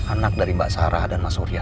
anak dari mbak sarah dan mas surya